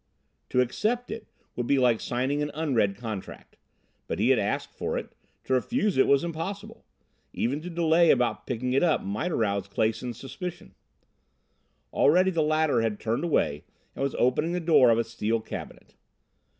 To accept it would be like signing an unread contract. But he had asked for it; to refuse it was impossible. Even to delay about picking it up might arouse Clason's suspicion. Already the latter had turned away and was opening the door of a steel cabinet.